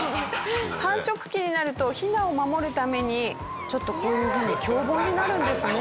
繁殖期になるとヒナを守るためにちょっとこういう風に凶暴になるんですね。